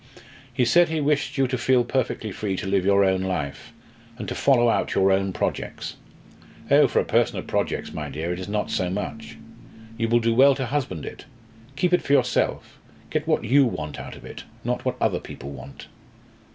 "He said he wished you to feel perfectly free to live your own life, and to follow out your own projects. Oh, for a person of projects, my dear, it is not so much. You will do well to husband it. Keep it for yourself. Get what you want out of it: not what other people want."